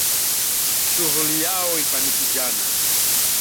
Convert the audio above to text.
Shuhuli yao ifanyiki jana